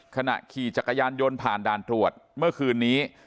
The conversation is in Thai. ขณะขี่จักรยานยนต์ผ่านด่านตรวจเมื่อคืนนี้